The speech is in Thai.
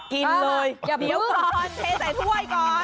กินเลยเดี๋ยวก่อนเทใส่ถ้วยก่อน